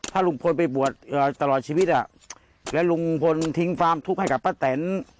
ถ้าลุงพลไปบวชตลอดชีวิตและลุงพลทิ้งความทุกข์ให้กับป้าแตน